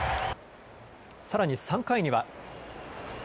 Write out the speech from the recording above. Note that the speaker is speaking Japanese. さらに３回には。